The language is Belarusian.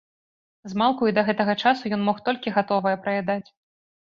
Змалку і да гэтага часу ён мог толькі гатовае праядаць.